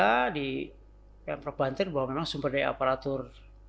jadi ini salah satu kebanggaan kita di pemprov banten bahwa memang sumber daya aparatur